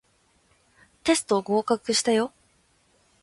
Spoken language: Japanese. テスト合格したよ